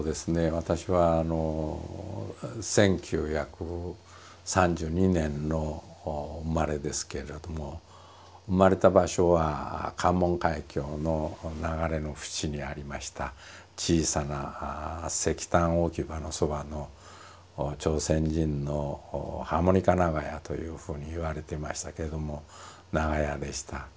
私は１９３２年の生まれですけれども生まれた場所は関門海峡の流れの縁にありました小さな石炭置き場のそばの朝鮮人の「ハーモニカ長屋」というふうに言われてましたけども長屋でした。